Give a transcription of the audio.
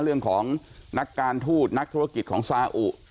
เรื่องของนักการทูตนักธุรกิจของซาอุ